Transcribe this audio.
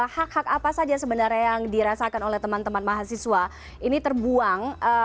hak hak apa saja sebenarnya yang dirasakan oleh teman teman mahasiswa ini terbuang